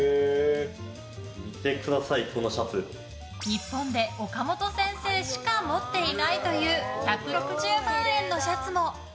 日本で岡本先生しか持っていないという１６０万円のシャツも。